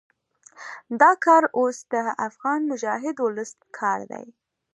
دا کار اوس د افغان مجاهد ولس کار دی.